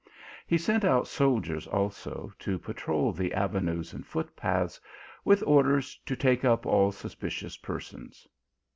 He sent out sol diers, also, to patrol the avenues and footpaths, with orders to take up all suspicious persons.